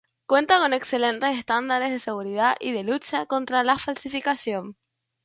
Cuenta con excelentes estándares de seguridad y de lucha contra la falsificación.